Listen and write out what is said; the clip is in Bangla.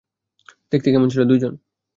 দেখতে কেমন ছিল, দুইজন?